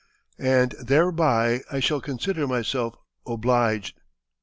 and thereby I shall consider myself obliged.